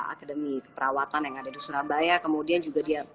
akademi perawatan yang ada di surabaya kemudian juga dia